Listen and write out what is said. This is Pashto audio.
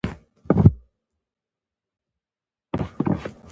دا اولاد کچر نومېږي.